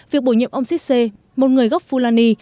việc bổ nhiệm ông sisse một người gốc fulani